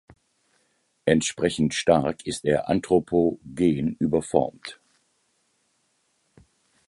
Entsprechend stark ist er anthropogen überformt.